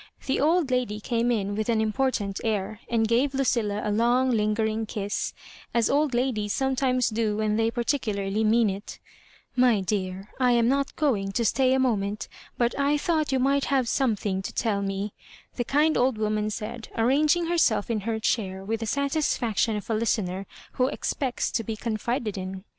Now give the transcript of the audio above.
The old lady came in with an important air, and gave Lucilla a long, lingering kiss, as old ladies sometimes do when they particularly mean it " My dear, I am not going to stay a moment, but I thought you might have something to tell me," the kind old woman said, arranging herself in her chair with the satisfaction of a listener who expects to be confided in.